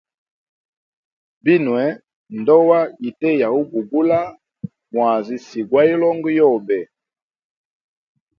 Binwe ndoa yite ya ubugula mwazi si gwa hilongo yobe.